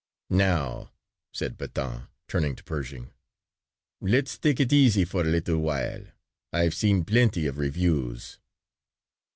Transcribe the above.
"Now," said Pétain turning to Pershing, "let's take it easy for a little while. I've seen plenty of reviews."